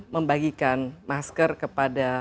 membagikan masker kepada